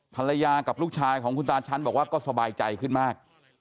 ภรรยากับลูกชายของคุณตาชั้นบอกว่าก็สบายใจขึ้นมาก